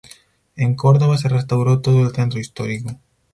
En Córdoba se restauró todo el centro histórico.